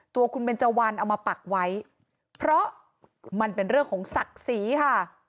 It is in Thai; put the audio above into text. ตัวคุณเบนเจวันเอามาปักไว้เพราะมันเป็นเรื่องของศักดิ์ศรีค่ะ